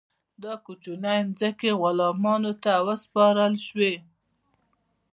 دا کوچنۍ ځمکې غلامانو ته وسپارل شوې.